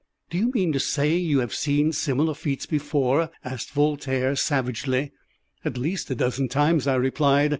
'" "Do you mean to say you have seen similar feats before?" asked Voltaire, savagely. "At least a dozen times," I replied.